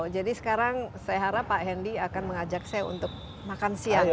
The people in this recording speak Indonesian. jadi sekarang saya harap pak hendy akan mengajak saya untuk makan siang ya